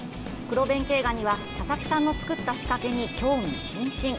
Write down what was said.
クロベンケイガニは佐々木さんの作った仕掛けに興味津々。